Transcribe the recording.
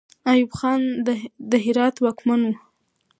ایوب خان د هرات واکمن وو.